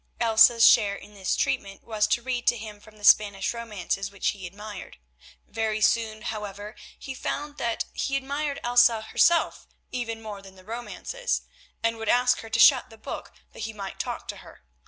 Elsa's share in this treatment was to read to him from the Spanish romances which he admired. Very soon, however, he found that he admired Elsa herself even more than the romances, and would ask her to shut the book that he might talk to her.